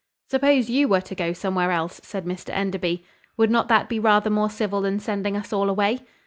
"Suppose you were to go somewhere else," said Mr Enderby. "Would not that be rather more civil than sending us all away?"